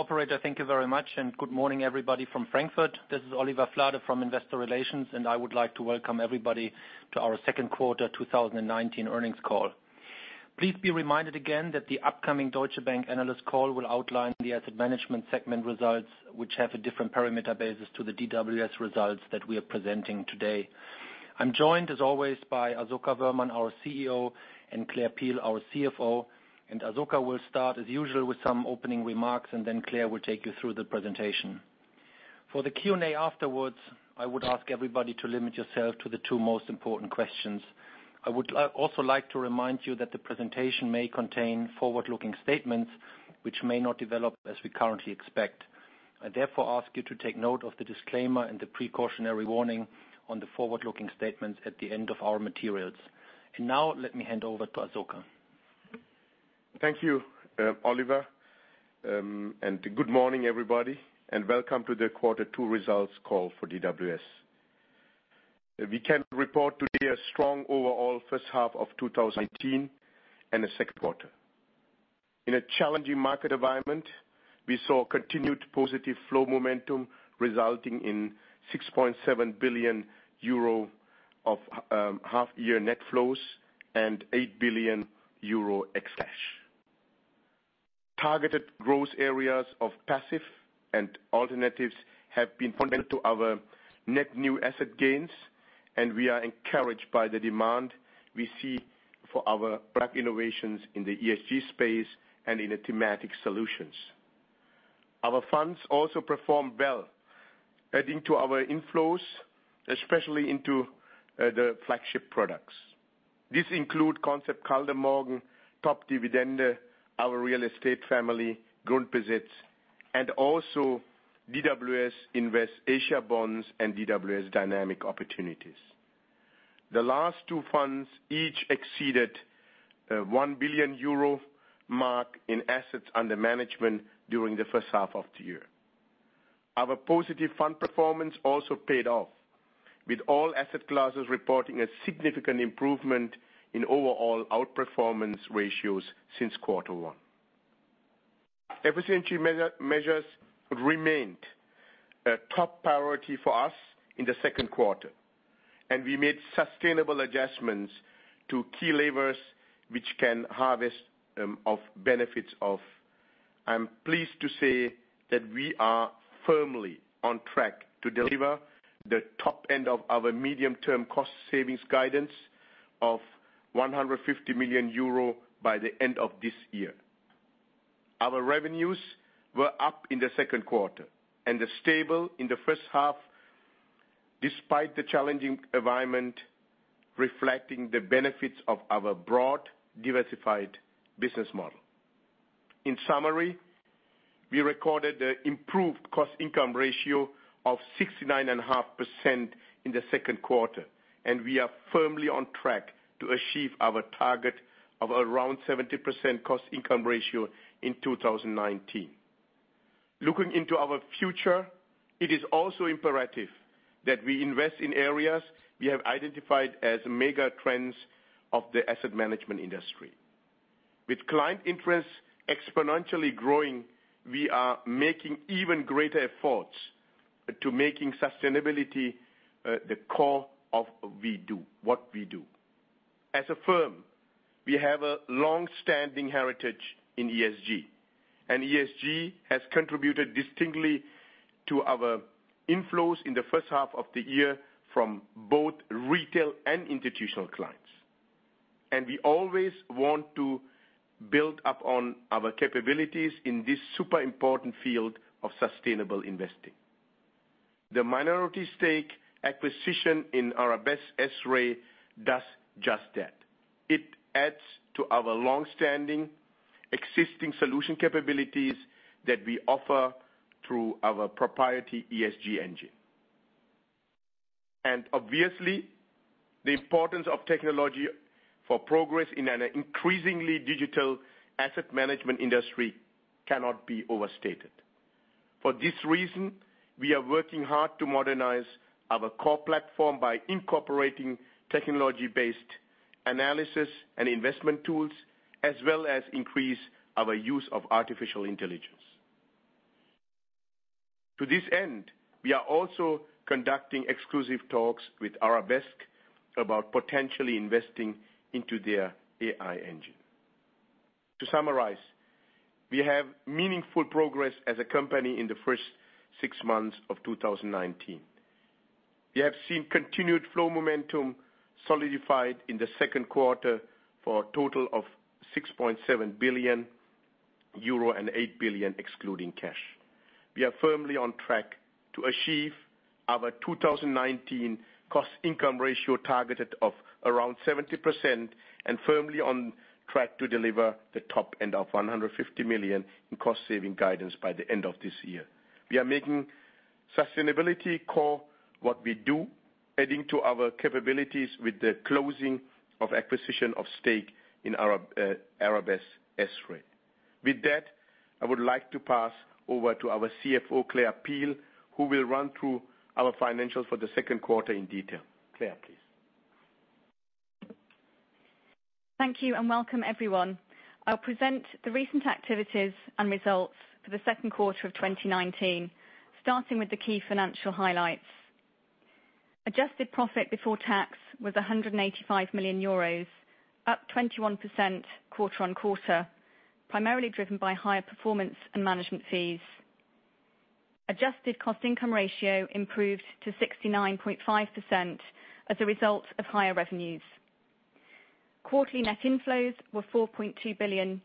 Operator, thank you very much. Good morning, everybody from Frankfurt. This is Oliver Flade from Investor Relations, and I would like to welcome everybody to our second quarter 2019 earnings call. Please be reminded again that the upcoming Deutsche Bank analyst call will outline the asset management segment results, which have a different parameter basis to the DWS results that we are presenting today. I'm joined as always by Asoka Woehrmann, our CEO, and Claire Peel, our CFO. Asoka will start as usual with some opening remarks, then Claire will take you through the presentation. For the Q&A afterwards, I would ask everybody to limit yourself to the two most important questions. I would also like to remind you that the presentation may contain forward-looking statements which may not develop as we currently expect. I, therefore, ask you to take note of the disclaimer and the precautionary warning on the forward-looking statements at the end of our materials. Now let me hand over to Asoka. Thank you, Oliver. Good morning, everybody, and welcome to the Q2 results call for DWS. We can report today a strong overall first half of 2019 and the second quarter. In a challenging market environment, we saw continued positive flow momentum resulting in 6.7 billion euro of half-year net flows and 8 billion euro ex cash. Targeted growth areas of passive and alternatives have been fundamental to our net new asset gains. We are encouraged by the demand we see for our product innovations in the ESG space and in the thematic solutions. Our funds also perform well, adding to our inflows, especially into the flagship products. These include Concept Kaldemorgen, DWS Top Dividende, our real estate family, grundbesitz, also DWS Invest Asian Bonds and DWS Dynamic Opportunities. The last two funds each exceeded 1 billion euro mark in assets under management during the first half of the year. Our positive fund performance also paid off, with all asset classes reporting a significant improvement in overall outperformance ratios since quarter one. Efficiency measures remained a top priority for us in the second quarter, and we made sustainable adjustments to key levers which can harvest of benefits of. I'm pleased to say that we are firmly on track to deliver the top end of our medium-term cost savings guidance of 150 million euro by the end of this year. Our revenues were up in the second quarter and are stable in the first half, despite the challenging environment reflecting the benefits of our broad, diversified business model. In summary, we recorded the improved cost income ratio of 69.5% in the second quarter, and we are firmly on track to achieve our target of around 70% cost income ratio in 2019. Looking into our future, it is also imperative that we invest in areas we have identified as mega trends of the asset management industry. With client interest exponentially growing, we are making even greater efforts to making sustainability the core of what we do. As a firm, we have a long-standing heritage in ESG has contributed distinctly to our inflows in the first half of the year from both retail and institutional clients. We always want to build up on our capabilities in this super important field of sustainable investing. The minority stake acquisition in Arabesque S-Ray does just that. It adds to our long-standing existing solution capabilities that we offer through our proprietary ESG engine. Obviously, the importance of technology for progress in an increasingly digital asset management industry cannot be overstated. For this reason, we are working hard to modernize our core platform by incorporating technology-based analysis and investment tools, as well as increase our use of artificial intelligence. To this end, we are also conducting exclusive talks with Arabesque about potentially investing into their AI engine. To summarize, we have made meaningful progress as a company in the first six months of 2019. We have seen continued flow momentum solidified in the second quarter for a total of €6.7 billion and €8 billion excluding cash. We are firmly on track to achieve our 2019 cost income ratio targeted of around 70% and firmly on track to deliver the top end of 150 million in cost-saving guidance by the end of this year. We are making sustainability core what we do, adding to our capabilities with the closing of acquisition of stake in Arabesque S-Ray. With that, I would like to pass over to our CFO, Claire Peel, who will run through our financials for the second quarter in detail. Claire, please. Thank you and welcome everyone. I'll present the recent activities and results for the second quarter of 2019, starting with the key financial highlights. Adjusted profit before tax was €185 million, up 21% quarter-on-quarter, primarily driven by higher performance in management fees. Adjusted cost income ratio improved to 69.5% as a result of higher revenues. Quarterly net inflows were €4.2 billion,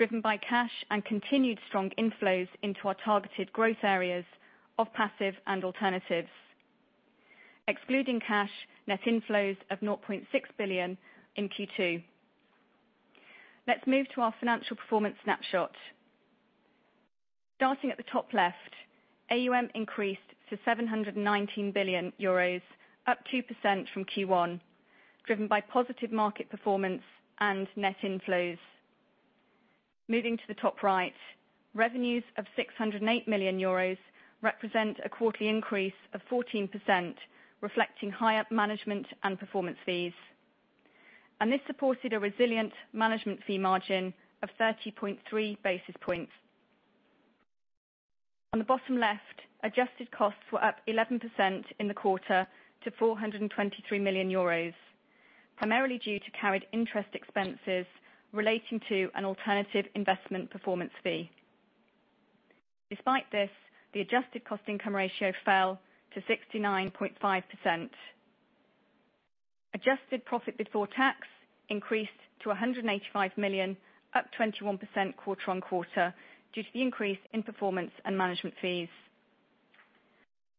driven by cash and continued strong inflows into our targeted growth areas of passive and alternatives. Excluding cash, net inflows of 0.6 billion in Q2. Let's move to our financial performance snapshot. Starting at the top left, AUM increased to €719 billion, up 2% from Q1, driven by positive market performance and net inflows. Moving to the top right, revenues of €608 million represent a quarterly increase of 14%, reflecting higher management and performance fees. This supported a resilient management fee margin of 30.3 basis points. On the bottom left, adjusted costs were up 11% in the quarter to 423 million euros, primarily due to carried interest expenses relating to an alternative investment performance fee. Despite this, the adjusted cost income ratio fell to 69.5%. Adjusted profit before tax increased to 185 million, up 21% quarter-on-quarter, due to the increase in performance and management fees.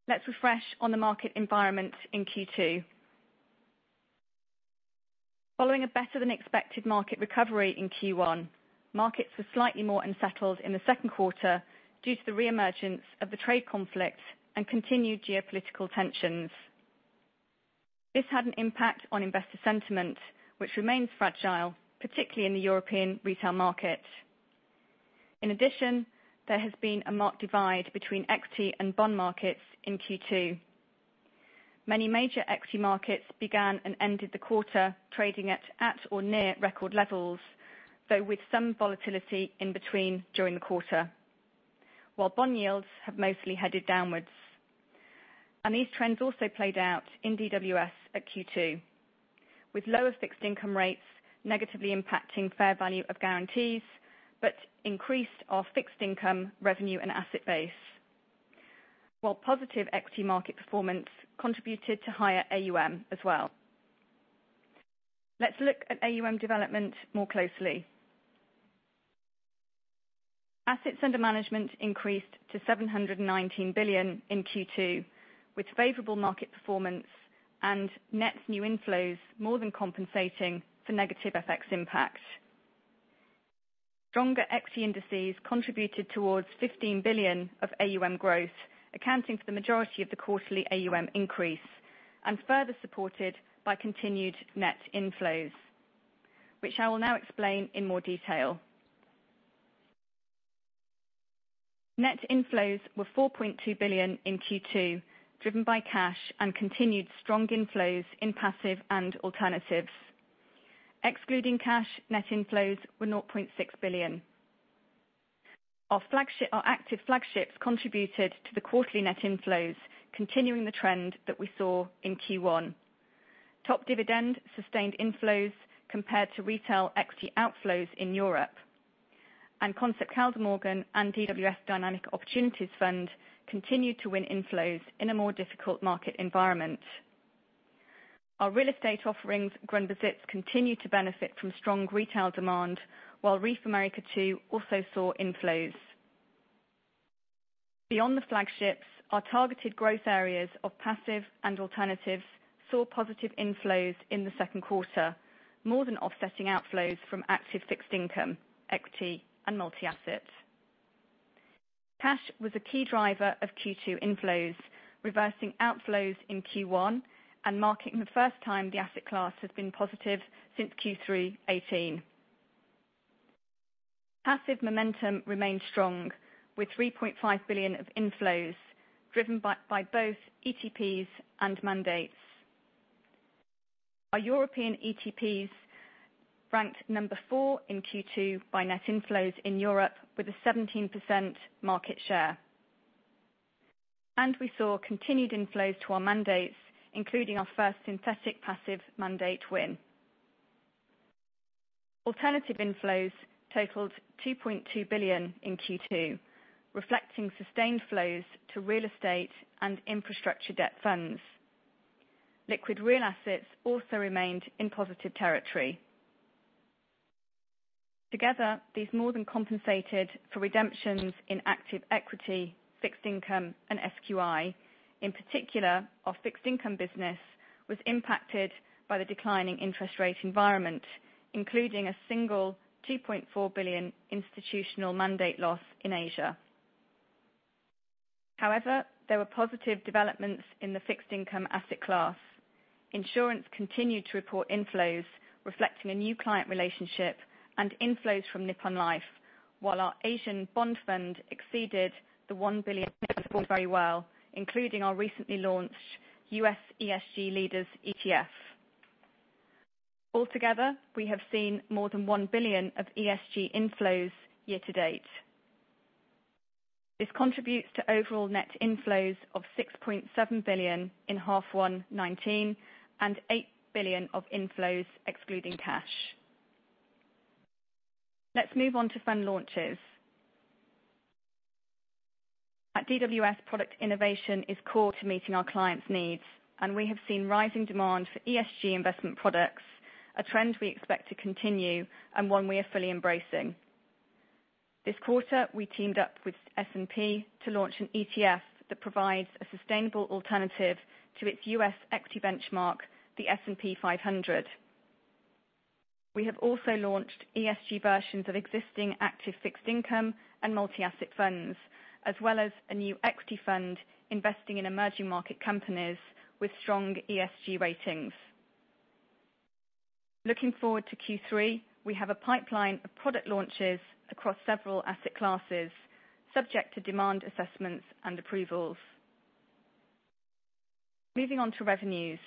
Let's refresh on the market environment in Q2. Following a better than expected market recovery in Q1, markets were slightly more unsettled in the second quarter due to the re-emergence of the trade conflict and continued geopolitical tensions. This had an impact on investor sentiment, which remains fragile, particularly in the European retail market. There has been a marked divide between equity and bond markets in Q2. Many major equity markets began and ended the quarter trading at or near record levels, though with some volatility in between during the quarter. Bond yields have mostly headed downwards. These trends also played out in DWS at Q2, with lower fixed income rates negatively impacting fair value of guarantees, but increased our fixed income revenue and asset base. Positive equity market performance contributed to higher AUM as well. Let's look at AUM development more closely. Assets under management increased to 719 billion in Q2, with favorable market performance and net new inflows more than compensating for negative FX impacts. Stronger equity indices contributed towards 15 billion of AUM growth, accounting for the majority of the quarterly AUM increase and further supported by continued net inflows, which I will now explain in more detail. Net inflows were 4.2 billion in Q2, driven by cash and continued strong inflows in passive and alternatives. Excluding cash, net inflows were 0.6 billion. Our active flagships contributed to the quarterly net inflows, continuing the trend that we saw in Q1. DWS Top Dividende sustained inflows compared to retail equity outflows in Europe. DWS Concept Kaldemorgen and DWS Dynamic Opportunities continued to win inflows in a more difficult market environment. Our real estate offerings, grundbesitz, continue to benefit from strong retail demand, while RREEF America II also saw inflows. Beyond the flagships, our targeted growth areas of passive and alternatives saw positive inflows in the second quarter, more than offsetting outflows from active fixed income, equity and multi-assets. Cash was a key driver of Q2 inflows, reversing outflows in Q1 and marking the first time the asset class has been positive since Q3 2018. Passive momentum remained strong with 3.5 billion of inflows driven by both ETPs and mandates. Our European ETPs ranked number 4 in Q2 by net inflows in Europe with a 17% market share. We saw continued inflows to our mandates, including our first synthetic passive mandate win. Alternative inflows totaled 2.2 billion in Q2, reflecting sustained flows to real estate and infrastructure debt funds. Liquid real assets also remained in positive territory. Together, these more than compensated for redemptions in active equity, fixed income and SQI. In particular, our fixed income business was impacted by the declining interest rate environment, including a single 2.4 billion institutional mandate loss in Asia. However, there were positive developments in the fixed income asset class. Insurance continued to report inflows reflecting a new client relationship and inflows from Nippon Life. While our DWS Invest Asian Bonds fund exceeded 1 billion very well, including our recently launched U.S. ESG Leaders ETF. Altogether, we have seen more than 1 billion of ESG inflows year to date. This contributes to overall net inflows of 6.7 billion in half 1 2019, and 8 billion of inflows excluding cash. Let's move on to fund launches. At DWS, product innovation is core to meeting our clients' needs. We have seen rising demand for ESG investment products, a trend we expect to continue and one we are fully embracing. This quarter, we teamed up with S&P to launch an ETF that provides a sustainable alternative to its U.S. equity benchmark, the S&P 500. We have also launched ESG versions of existing active fixed income and multi-asset funds, as well as a new equity fund investing in emerging market companies with strong ESG ratings. Looking forward to Q3, we have a pipeline of product launches across several asset classes, subject to demand assessments and approvals. Moving on to revenues.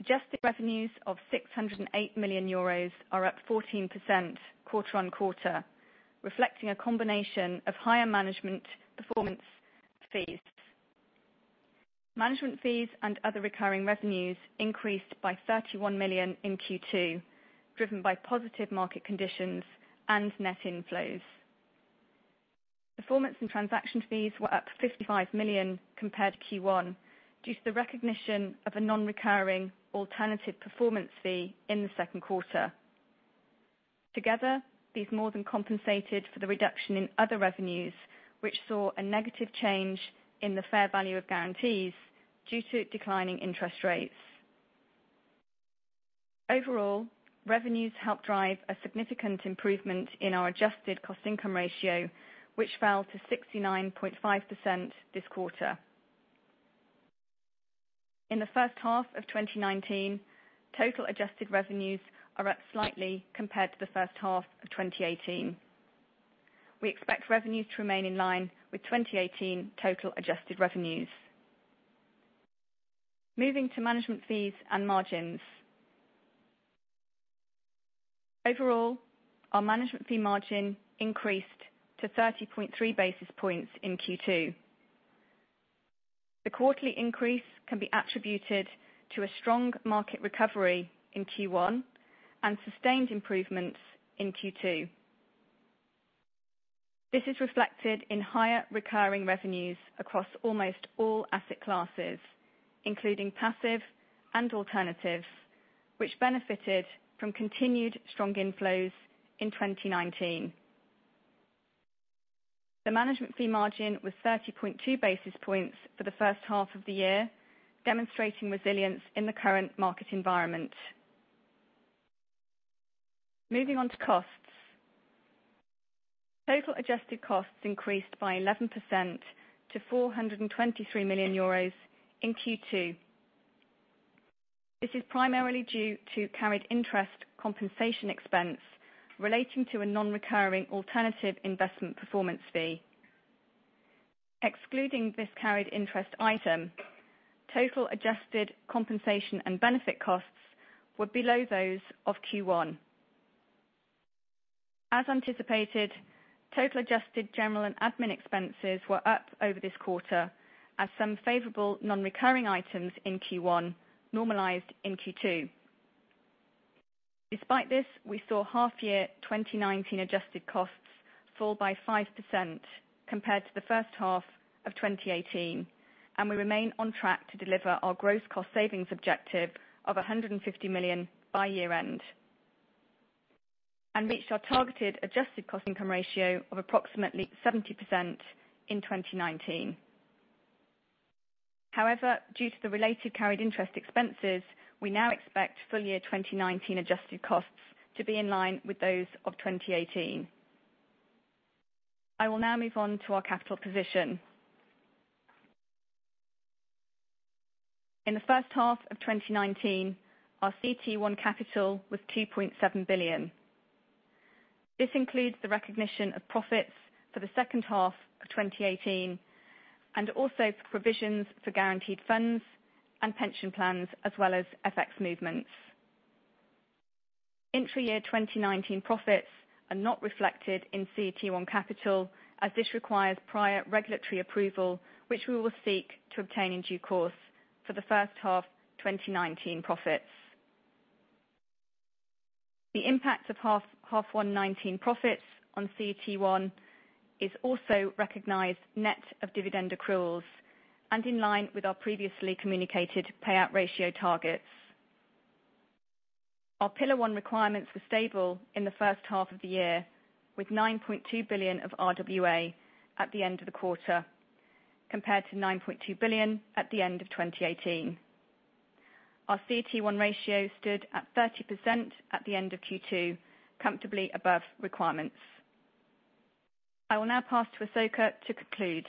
Adjusted revenues of 608 million euros are up 14% quarter-on-quarter, reflecting a combination of higher management performance fees. Management fees and other recurring revenues increased by 31 million in Q2, driven by positive market conditions and net inflows. Performance and transaction fees were up 55 million compared to Q1, due to the recognition of a non-recurring alternative performance fee in the second quarter. Together, these more than compensated for the reduction in other revenues, which saw a negative change in the fair value of guarantees due to declining interest rates. Overall, revenues helped drive a significant improvement in our adjusted cost income ratio, which fell to 69.5% this quarter. In the first half of 2019, total adjusted revenues are up slightly compared to the first half of 2018. We expect revenues to remain in line with 2018 total adjusted revenues. Moving to management fees and margins. Overall, our management fee margin increased to 30.3 basis points in Q2. The quarterly increase can be attributed to a strong market recovery in Q1 and sustained improvements in Q2. This is reflected in higher recurring revenues across almost all asset classes, including passive and alternatives, which benefited from continued strong inflows in 2019. The management fee margin was 30.2 basis points for the first half of the year, demonstrating resilience in the current market environment. Moving on to costs. Total adjusted costs increased by 11% to 423 million euros in Q2. This is primarily due to carried interest compensation expense relating to a non-recurring alternative investment performance fee. Excluding this carried interest item, total adjusted compensation and benefit costs were below those of Q1. As anticipated, total adjusted general and admin expenses were up over this quarter as some favorable non-recurring items in Q1 normalized in Q2. Despite this, we saw half year 2019 adjusted costs fall by 5% compared to the first half of 2018. We remain on track to deliver our gross cost savings objective of 150 million by year-end. Reached our targeted adjusted cost income ratio of approximately 70% in 2019. However, due to the related carried interest expenses, we now expect full year 2019 adjusted costs to be in line with those of 2018. I will now move on to our capital position. In the first half of 2019, our CET1 capital was 2.7 billion. This includes the recognition of profits for the second half of 2018 and also for provisions for guaranteed funds and pension plans, as well as FX movements. Intra year 2019 profits are not reflected in CET1 capital, as this requires prior regulatory approval, which we will seek to obtain in due course for the first half 2019 profits. The impact of half 1 2019 profits on CET1 is also recognized net of dividend accruals and in line with our previously communicated payout ratio targets. Our Pillar 1 requirements were stable in the first half of the year, with 9.2 billion of RWA at the end of the quarter, compared to 9.2 billion at the end of 2018. Our CET1 ratio stood at 30% at the end of Q2, comfortably above requirements. I will now pass to Asoka to conclude.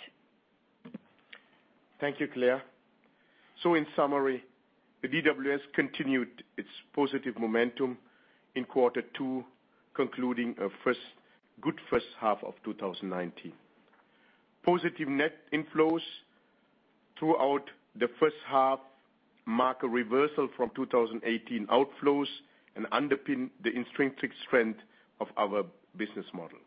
Thank you, Claire. In summary, the DWS continued its positive momentum in quarter two, concluding a good first half of 2019. Positive net inflows throughout the first half mark a reversal from 2018 outflows and underpin the intrinsic strength of our business model.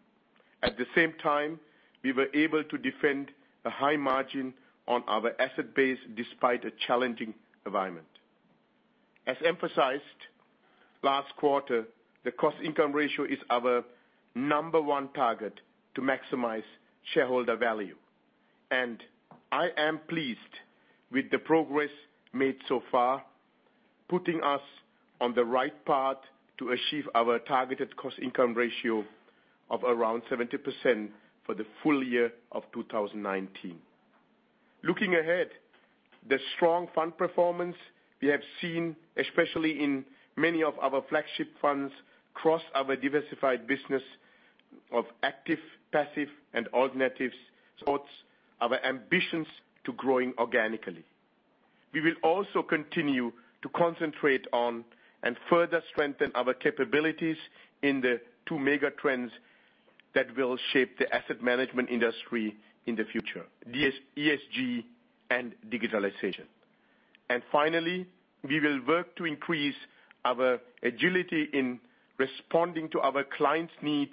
At the same time, we were able to defend a high margin on our asset base despite a challenging environment. As emphasized last quarter, the cost income ratio is our number one target to maximize shareholder value. I am pleased with the progress made so far, putting us on the right path to achieve our targeted cost income ratio of around 70% for the full year of 2019. Looking ahead, the strong fund performance we have seen, especially in many of our flagship funds across our diversified business of active, passive and alternatives supports our ambitions to growing organically. We will also continue to concentrate on and further strengthen our capabilities in the two mega trends that will shape the asset management industry in the future, ESG and digitalization. Finally, we will work to increase our agility in responding to our clients' needs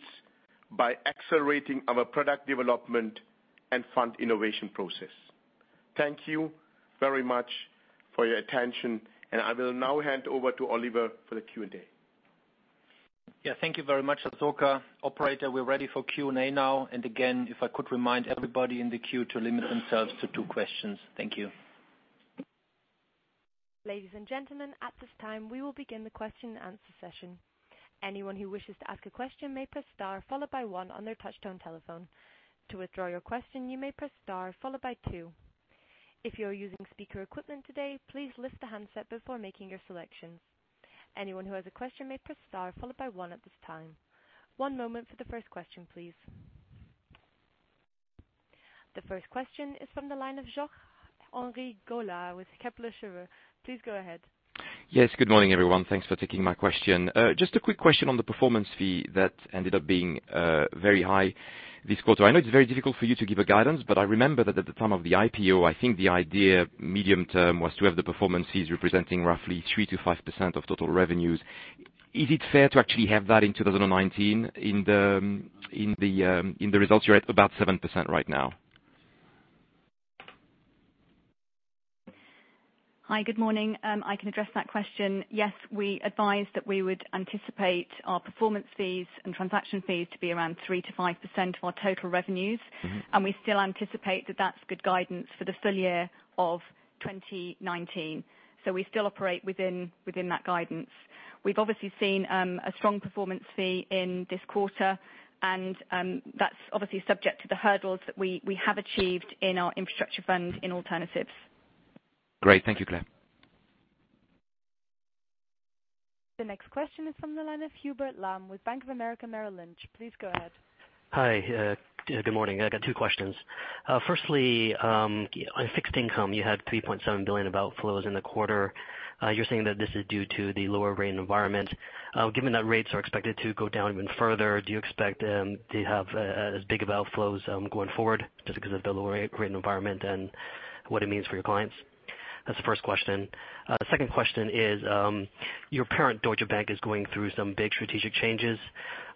by accelerating our product development and fund innovation process. Thank you very much for your attention. I will now hand over to Oliver for the Q&A. Yeah. Thank you very much, Asoka. Operator, we're ready for Q&A now. Again, if I could remind everybody in the queue to limit themselves to two questions. Thank you. Ladies and gentlemen, at this time, we will begin the question and answer session. Anyone who wishes to ask a question may press star, followed by one on their touchtone telephone. To withdraw your question, you may press star followed by two. If you are using speaker equipment today, please lift the handset before making your selections. Anyone who has a question may press star followed by one at this time. One moment for the first question, please. The first question is from the line of Jacques-Henri Gaulard with Kepler Cheuvreux. Please go ahead. Yes. Good morning, everyone. Thanks for taking my question. Just a quick question on the performance fee that ended up being very high this quarter. I know it's very difficult for you to give a guidance, but I remember that at the time of the IPO, I think the idea medium-term was to have the performance fees representing roughly 3%-5% of total revenues. Is it fair to actually have that in 2019 in the results? You're at about 7% right now. Hi. Good morning. I can address that question. We advised that we would anticipate our performance fees and transaction fees to be around 3%-5% of our total revenues. We still anticipate that that's good guidance for the full year of 2019. We still operate within that guidance. We've obviously seen a strong performance fee in this quarter, and that's obviously subject to the hurdles that we have achieved in our infrastructure fund in alternatives. Great. Thank you, Claire. The next question is from the line of Hubert Lam with Bank of America Merrill Lynch. Please go ahead. Hi. Good morning. I got two questions. Firstly, on fixed income, you had 3.7 billion of outflows in the quarter. You're saying that this is due to the lower rate environment. Given that rates are expected to go down even further, do you expect to have as big of outflows going forward just because of the lower rate environment and what it means for your clients? That's the first question. Second question is, your parent, Deutsche Bank, is going through some big strategic changes.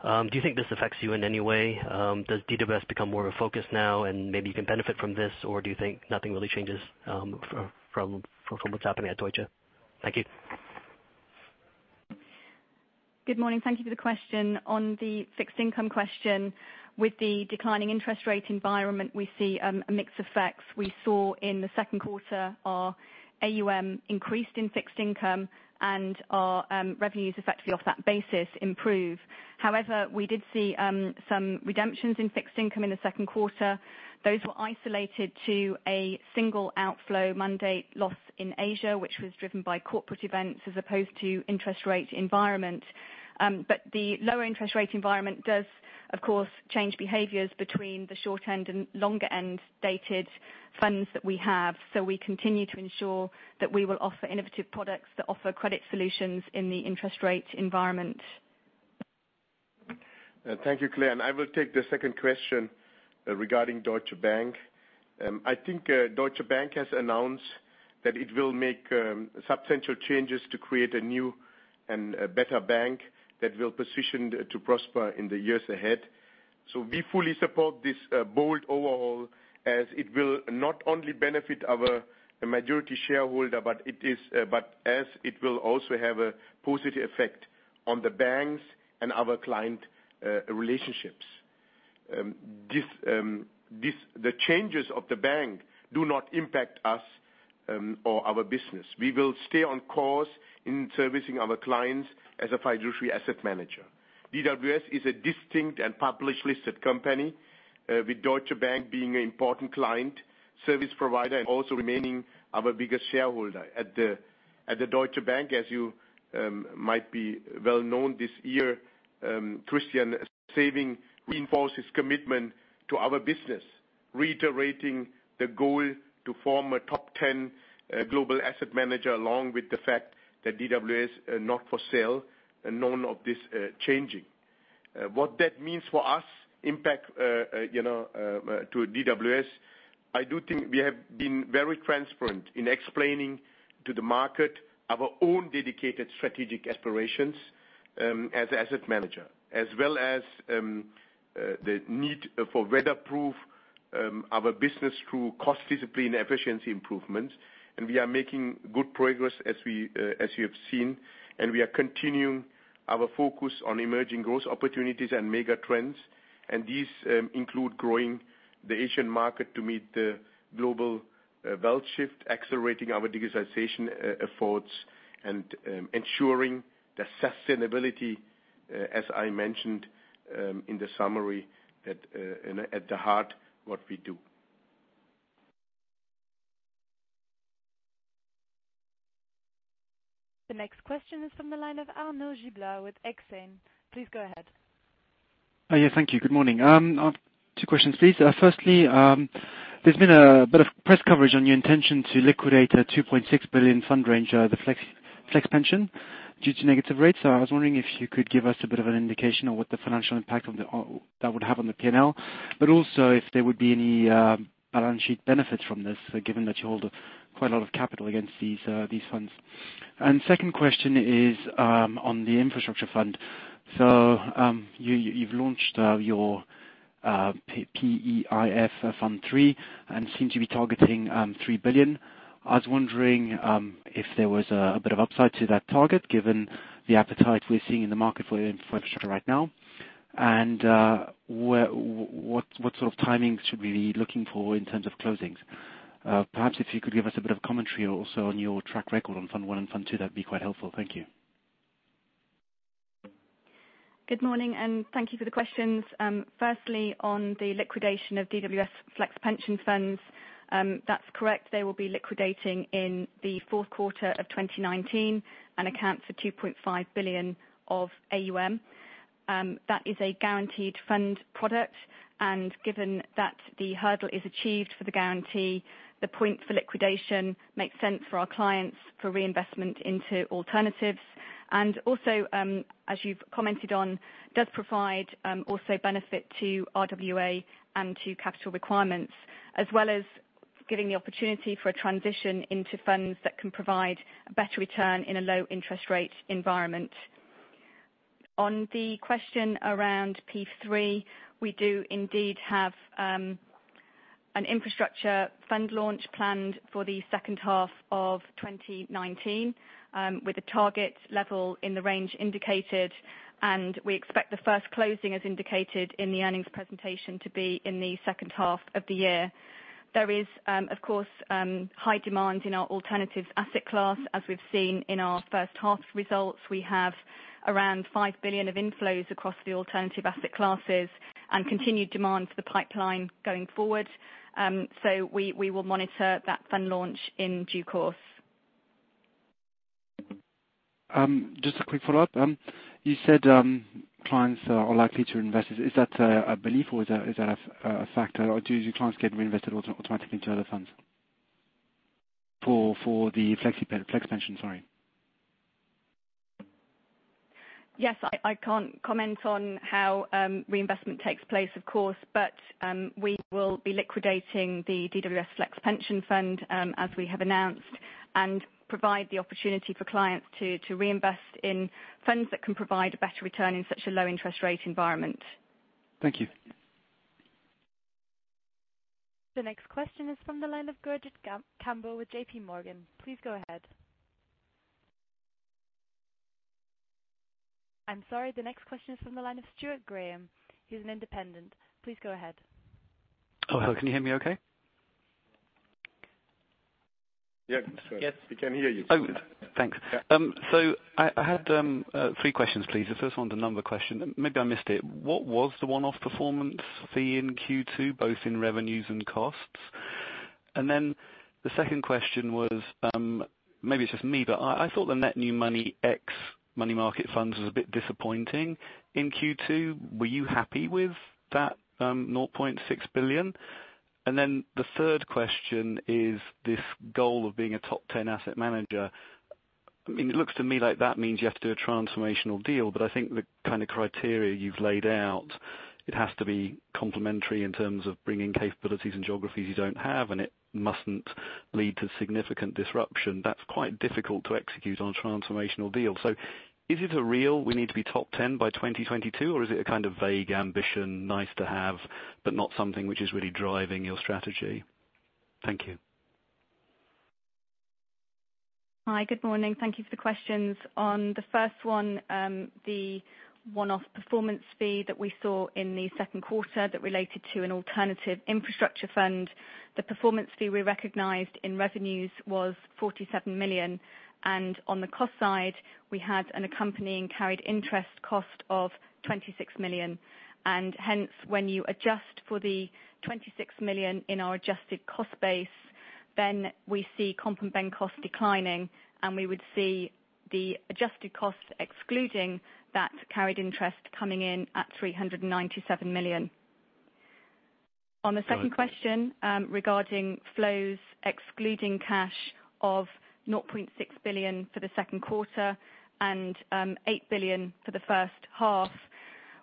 Do you think this affects you in any way? Does DWS become more of a focus now and maybe even benefit from this, or do you think nothing really changes from what's happening at Deutsche? Thank you. Good morning. Thank you for the question. On the fixed income question, with the declining interest rate environment, we see a mix effect. We saw in the second quarter our AUM increased in fixed income and our revenues effectively off that basis improve. We did see some redemptions in fixed income in the second quarter. Those were isolated to a single outflow mandate loss in Asia, which was driven by corporate events as opposed to interest rate environment. The lower interest rate environment does, of course, change behaviors between the short end and longer end dated funds that we have. We continue to ensure that we will offer innovative products that offer credit solutions in the interest rate environment. Thank you, Claire. I will take the second question regarding Deutsche Bank. I think Deutsche Bank has announced that it will make substantial changes to create a new and better bank that will position to prosper in the years ahead. We fully support this bold overhaul as it will not only benefit our majority shareholder, but as it will also have a positive effect on the banks and our client relationships. The changes of the bank do not impact us or our business. We will stay on course in servicing our clients as a fiduciary asset manager. DWS is a distinct and publicly listed company, with Deutsche Bank being an important client service provider and also remaining our biggest shareholder. At the Deutsche Bank, as you might be well known this year, Christian Sewing reinforced his commitment to our business, reiterating the goal to form a top 10 global asset manager, along with the fact that DWS are not for sale. None of this changing. What that means for us, impact to DWS, I do think we have been very transparent in explaining to the market our own dedicated strategic aspirations as a asset manager. As well as the need for weatherproof our business through cost discipline efficiency improvements. We are making good progress, as you have seen. We are continuing our focus on emerging growth opportunities and mega trends. These include growing the Asian market to meet the global wealth shift, accelerating our digitization efforts, and ensuring the sustainability, as I mentioned in the summary, at the heart of what we do. The next question is from the line of Arnaud Giblat with Exane. Please go ahead. Yeah, thank you. Good morning. I have two questions, please. Firstly, there's been a bit of press coverage on your intention to liquidate a 2.6 billion fund range, the FlexPension, due to negative rates. I was wondering if you could give us a bit of an indication on what the financial impact of that would have on the P&L. Also, if there would be any balance sheet benefit from this, given that you hold quite a lot of capital against these funds. Second question is on the infrastructure fund. You've launched your PEIF III, and seem to be targeting 3 billion. I was wondering if there was a bit of upside to that target, given the appetite we're seeing in the market for infrastructure right now. What sort of timing should we be looking for in terms of closings? Perhaps if you could give us a bit of commentary also on your track record on Fund I and Fund II, that'd be quite helpful. Thank you. Good morning, and thank you for the questions. Firstly, on the liquidation of DWS FlexPension Funds, that's correct. They will be liquidating in the fourth quarter of 2019, and account for 2.5 billion of AUM. That is a guaranteed fund product, and given that the hurdle is achieved for the guarantee, the point for liquidation makes sense for our clients for reinvestment into alternatives. Also, as you've commented on, does provide also benefit to RWA and to capital requirements, as well as giving the opportunity for a transition into funds that can provide a better return in a low interest rate environment. On the question around PEIF III, we do indeed have an infrastructure fund launch planned for the second half of 2019, with a target level in the range indicated. We expect the first closing, as indicated in the earnings presentation, to be in the second half of the year. There is, of course, high demand in our alternatives asset class, as we've seen in our first half results. We have around 5 billion of inflows across the alternative asset classes, and continued demand for the pipeline going forward. We will monitor that fund launch in due course. Just a quick follow-up. You said clients are likely to invest. Is that a belief or is that a factor? Do your clients get reinvested automatically into other funds? For the FlexPension. Yes. I can't comment on how reinvestment takes place, of course, but we will be liquidating the DWS FlexPension Fund as we have announced, and provide the opportunity for clients to reinvest in funds that can provide a better return in such a low interest rate environment. Thank you. The next question is from the line of George Campbell with JP Morgan. Please go ahead. I'm sorry. The next question is from the line of Stuart Graham. He's an independent. Please go ahead. Oh, hello. Can you hear me okay? Yeah. Yes. We can hear you. Thanks. I had three questions, please. The first one's a number question. Maybe I missed it. What was the one-off performance fee in Q2, both in revenues and costs? The second question was, maybe it's just me, but I thought the net new money, ex money market funds, was a bit disappointing in Q2. Were you happy with that 0.6 billion? The third question is this goal of being a top 10 asset manager. It looks to me like that means you have to do a transformational deal, but I think the kind of criteria you've laid out, it has to be complementary in terms of bringing capabilities and geographies you don't have, and it mustn't lead to significant disruption. That's quite difficult to execute on a transformational deal. Is it a real, we need to be top 10 by 2022? Is it a kind of vague ambition, nice to have, but not something which is really driving your strategy? Thank you. Hi. Good morning. Thank you for the questions. On the first one, the one-off performance fee that we saw in the second quarter that related to an alternative infrastructure fund, the performance fee we recognized in revenues was $47 million. On the cost side, we had an accompanying carried interest cost of $26 million. When you adjust for the $26 million in our adjusted cost base, we see comp and bank cost declining, and we would see the adjusted cost excluding that carried interest coming in at 397 million. On the second question regarding flows excluding cash of 0.6 billion for the second quarter and 8 billion for the first half.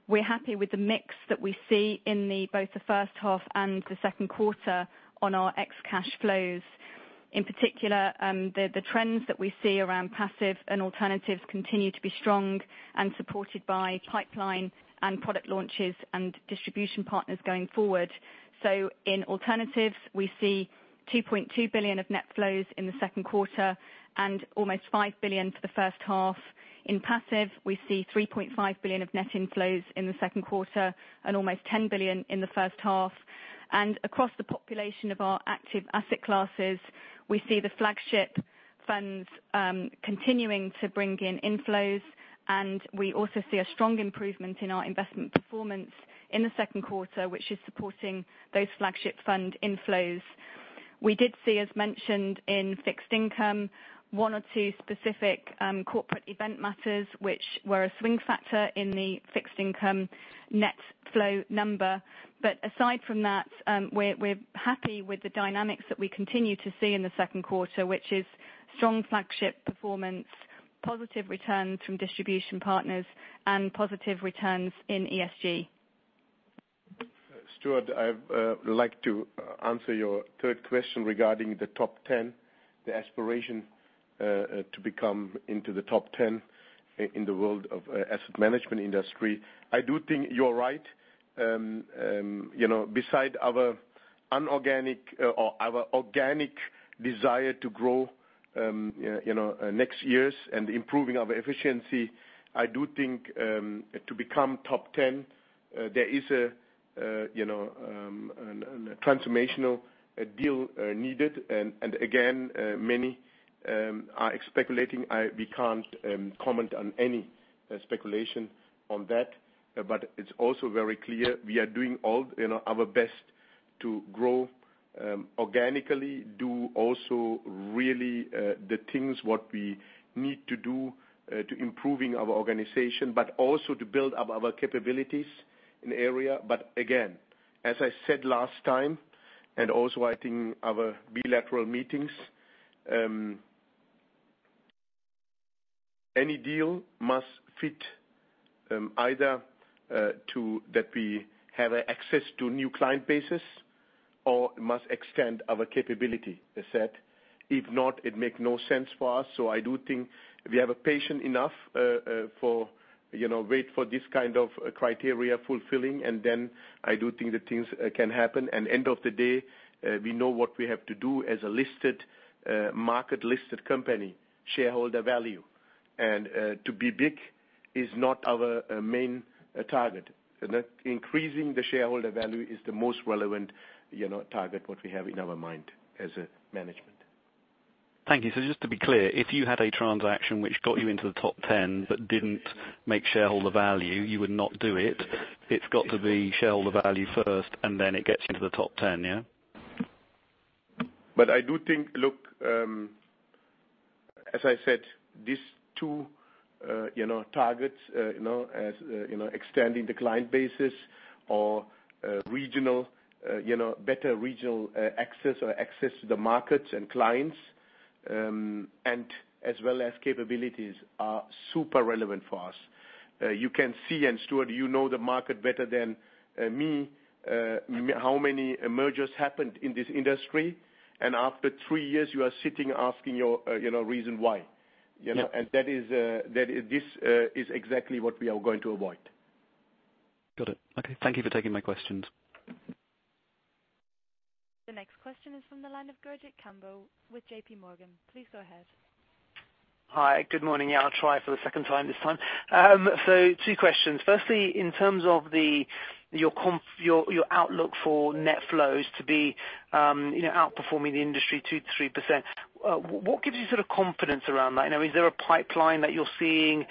We're happy with the mix that we see in both the first half and the second quarter on our ex cash flows. In particular, the trends that we see around passive and alternatives continue to be strong and supported by pipeline and product launches and distribution partners going forward. In alternatives, we see 2.2 billion of net flows in the second quarter and almost 5 billion for the first half. In passive, we see 3.5 billion of net inflows in the second quarter and almost 10 billion in the first half. Across the population of our active asset classes, we see the flagship funds continuing to bring in inflows, and we also see a strong improvement in our investment performance in the second quarter, which is supporting those flagship fund inflows. We did see, as mentioned in fixed income, one or two specific corporate event matters which were a swing factor in the fixed income net flow number. Aside from that, we're happy with the dynamics that we continue to see in the second quarter, which is strong flagship performance, positive returns from distribution partners, and positive returns in ESG. Stuart, I would like to answer your third question regarding the top 10, the aspiration to become into the top 10 in the world of asset management industry. I do think you're right. Beside our organic desire to grow next years and improving our efficiency, I do think to become top 10, there is a transformational deal needed. Again, many are speculating. We can't comment on any speculation on that. It's also very clear we are doing all our best to grow organically, do also really the things what we need to do to improving our organization, but also to build up our capabilities in area. Again, as I said last time, and also I think our bilateral meetings, any deal must fit either to that we have access to new client bases or must extend our capability set. If not, it make no sense for us. I do think we have a patient enough for wait for this kind of criteria fulfilling, and then I do think that things can happen. End of the day, we know what we have to do as a listed market listed company, shareholder value. To be big is not our main target. Increasing the shareholder value is the most relevant target what we have in our mind as a management. Thank you. Just to be clear, if you had a transaction which got you into the top 10 but didn't make shareholder value, you would not do it. It's got to be shareholder value first, and then it gets you to the top 10, yeah? I do think, look, as I said, these two targets, extending the client basis or better regional access or access to the markets and clients, and as well as capabilities, are super relevant for us. You can see, Stuart, you know the market better than me, how many mergers happened in this industry, and after three years you are sitting asking your reason why. Yeah. This is exactly what we are going to avoid. Got it. Okay. Thank you for taking my questions. The next question is from the line of Gurjit Kambo with J.P. Morgan. Please go ahead. Hi. Good morning. Yeah, I'll try for the second time this time. Two questions. Firstly, in terms of your outlook for net flows to be outperforming the industry 2%-3%, what gives you sort of confidence around that? Is there a pipeline that you're seeing? Is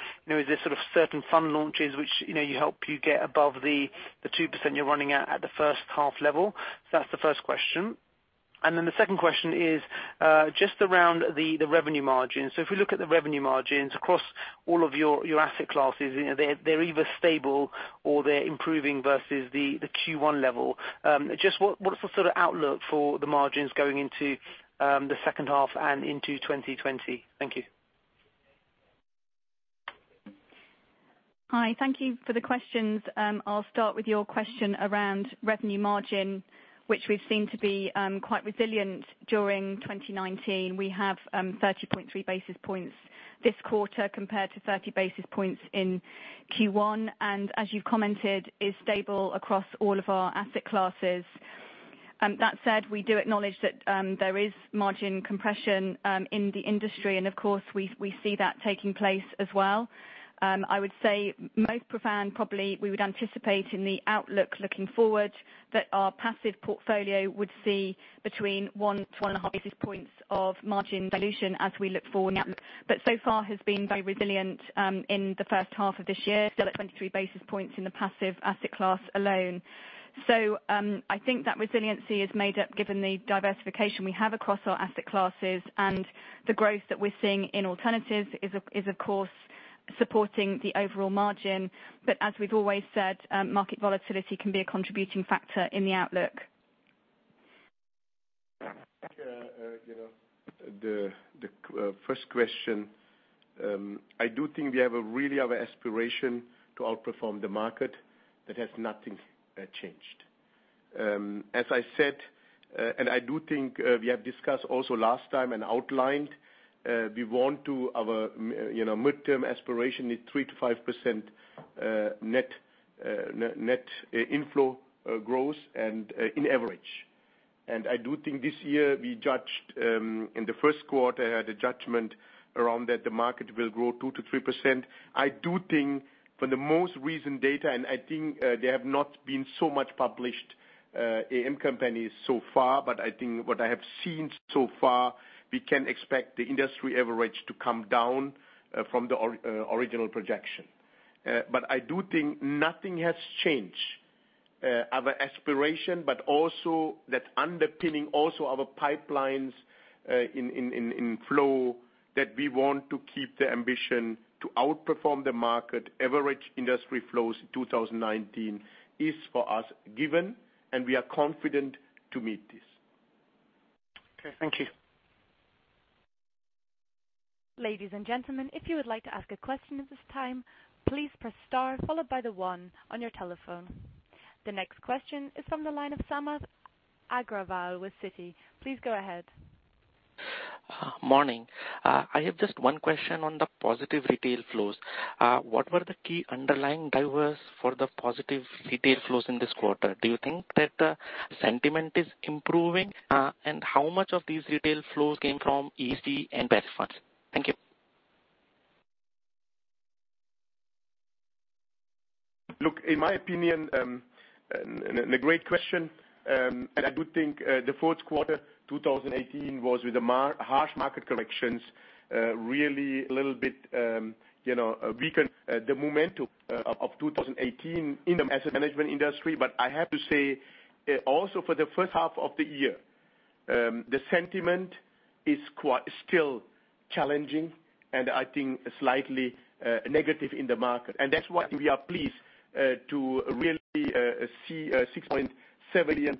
there sort of certain fund launches which help you get above the 2% you're running at the first half level? That's the first question. The second question is just around the revenue margins. If we look at the revenue margins across all of your asset classes, they're either stable or they're improving versus the Q1 level. Just what's the sort of outlook for the margins going into the second half and into 2020? Thank you. Hi. Thank you for the questions. I'll start with your question around revenue margin, which we've seen to be quite resilient during 2019. We have 30.3 basis points this quarter compared to 30 basis points in Q1, and as you've commented, is stable across all of our asset classes. That said, we do acknowledge that there is margin compression in the industry, and of course we see that taking place as well. I would say most profound probably we would anticipate in the outlook looking forward that our passive portfolio would see between one to one and a half basis points of margin dilution as we look forward in the outlook. So far has been very resilient in the first half of this year, still at 23 basis points in the passive asset class alone. I think that resiliency is made up given the diversification we have across our asset classes, and the growth that we're seeing in alternatives is of course supporting the overall margin. As we've always said, market volatility can be a contributing factor in the outlook. Claire, the first question, I do think we have really our aspiration to outperform the market. That has nothing changed. As I said, I do think we have discussed also last time and outlined, our midterm aspiration is 3%-5% net inflow growth and in average. I do think this year, in the first quarter, had a judgment around that the market will grow 2%-3%. I do think for the most recent data, and I think they have not been so much published AM companies so far, but I think what I have seen so far, we can expect the industry average to come down from the original projection. I do think nothing has changed. Our aspiration, but also that underpinning also our pipelines in flow, that we want to keep the ambition to outperform the market. Average industry flows in 2019 is, for us, given, and we are confident to meet this. Okay. Thank you. Ladies and gentlemen, if you would like to ask a question at this time, please press star followed by the one on your telephone. The next question is from the line of Samat Agrawal with Citi. Please go ahead. Morning. I have just one question on the positive retail flows. What were the key underlying drivers for the positive retail flows in this quarter? Do you think that the sentiment is improving? How much of these retail flows came from ESG and best funds? Thank you. Look, in my opinion, and a great question, I do think the fourth quarter 2018 was with the harsh market corrections, really a little bit weakened the momentum of 2018 in the asset management industry. I have to say, also for the first half of the year, the sentiment is still challenging and I think slightly negative in the market. That's why we are pleased to really see 6.7 billion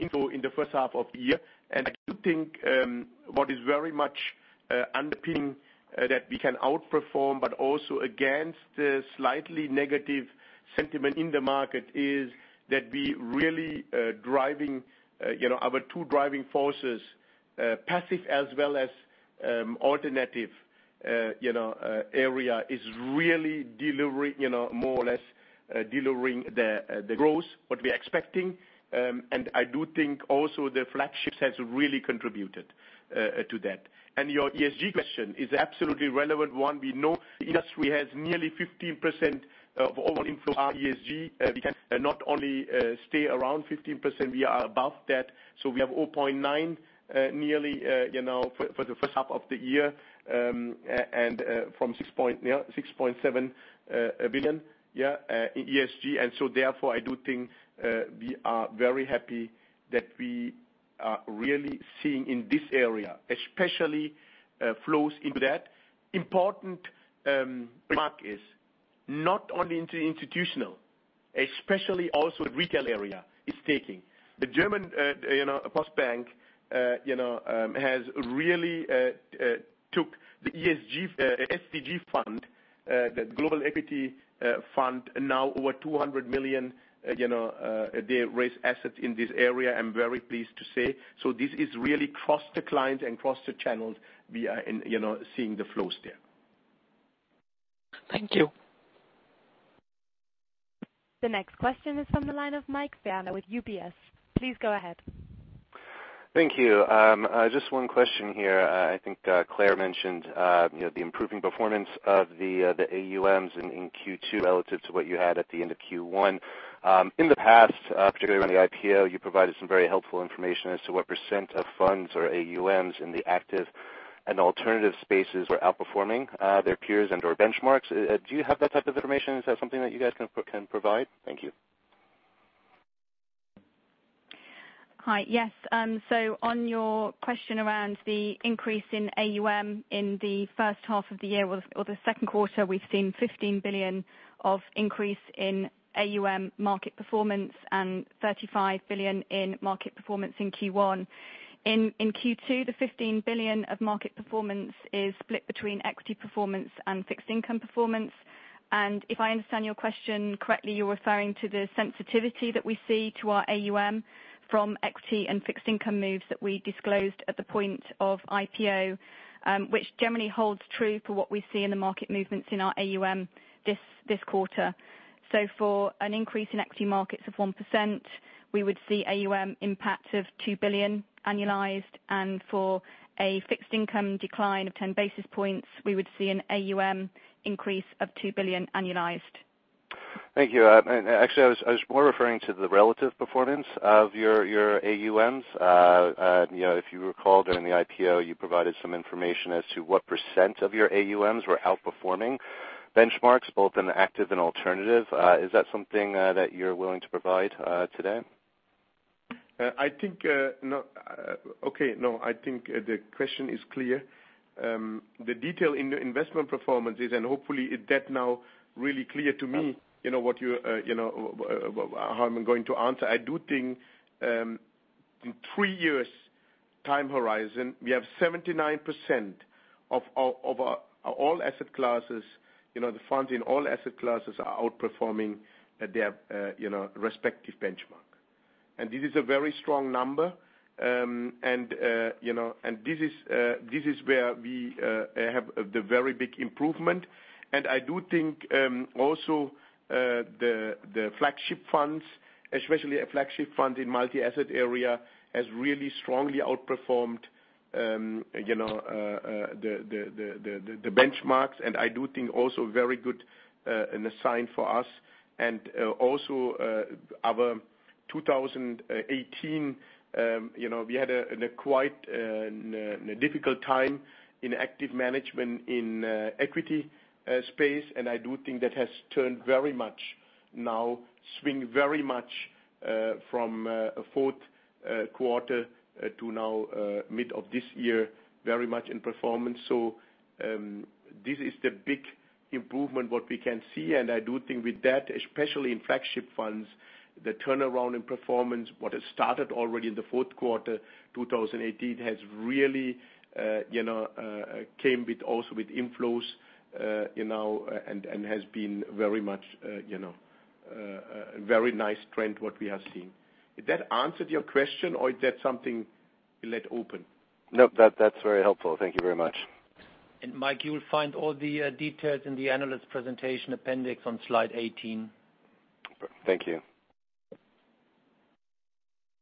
inflow in the first half of the year. I do think what is very much underpinning that we can outperform, also against the slightly negative sentiment in the market, is that our two driving forces, passive as well as alternative area is really, more or less, delivering the growth what we are expecting. I do think also the flagships has really contributed to that. Your ESG question is absolutely relevant one. We know the industry has nearly 15% of overall inflow are ESG. We can not only stay around 15%, we are above that. We have 0.9 nearly for the first half of the year, from 6.7 billion in ESG. I do think we are very happy that we are really seeing in this area, especially flows into that. Important remark is not only into institutional, especially also retail area is taking. The German Postbank has really took the SDG fund, that global equity fund. Now over 200 million, they raise assets in this area, I'm very pleased to say. This is really cross the clients and cross the channels we are seeing the flows there. Thank you. The next question is from the line of Mike Werner with UBS. Please go ahead. Thank you. Just one question here. I think Claire mentioned the improving performance of the AUMs in Q2 relative to what you had at the end of Q1. In the past, particularly around the IPO, you provided some very helpful information as to what % of funds or AUMs in the active and alternative spaces were outperforming their peers and/or benchmarks. Do you have that type of information? Is that something that you guys can provide? Thank you. Hi. Yes. On your question around the increase in AUM in the first half of the year or the second quarter, we've seen 15 billion of increase in AUM market performance and 35 billion in market performance in Q1. In Q2, the 15 billion of market performance is split between equity performance and fixed income performance. If I understand your question correctly, you're referring to the sensitivity that we see to our AUM from equity and fixed income moves that we disclosed at the point of IPO, which generally holds true for what we see in the market movements in our AUM this quarter. For an increase in equity markets of 1%, we would see AUM impact of 2 billion annualized. For a fixed income decline of 10 basis points, we would see an AUM increase of 2 billion annualized. Thank you. Actually, I was more referring to the relative performance of your AUMs. If you recall, during the IPO, you provided some information as to what % of your AUMs were outperforming benchmarks, both in the active and alternative. Is that something that you're willing to provide today? Okay. No, I think the question is clear. The detail in the investment performances, and hopefully is that now really clear to me, how I'm going to answer. I do think in three years time horizon, we have 79% of all asset classes, the funds in all asset classes are outperforming their respective benchmark. This is a very strong number. This is where we have the very big improvement. I do think also the flagship funds, especially a flagship fund in multi-asset area, has really strongly outperformed the benchmarks. I do think also very good sign for us. Also our 2018, we had a quite difficult time in active management in equity space, and I do think that has turned very much now, swing very much from fourth quarter to now mid of this year, very much in performance. This is the big improvement, what we can see. I do think with that, especially in flagship funds, the turnaround in performance, what has started already in the fourth quarter 2018 has really came also with inflows, and has been very much a very nice trend, what we have seen. Did that answer your question or is that something we left open? Nope. That's very helpful. Thank you very much. Mike, you will find all the details in the analyst presentation appendix on slide 18. Thank you.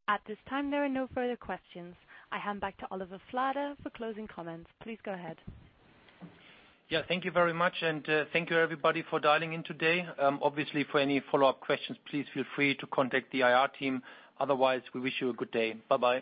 At this time, there are no further questions. I hand back to Oliver Flade for closing comments. Please go ahead. Yeah. Thank you very much, and thank you everybody for dialing in today. Obviously, for any follow-up questions, please feel free to contact the IR team. Otherwise, we wish you a good day. Bye-bye.